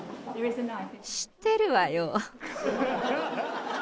知ってるわよ！